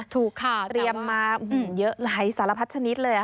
ถูกค่ะแต่ว่าเตรียมมาเยอะไหลสารพัดชนิดเลยค่ะ